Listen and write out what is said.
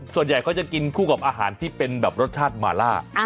ส่วนใหญ่เขาจะกินคู่กับอาหารที่เป็นแบบรสชาติมาล่า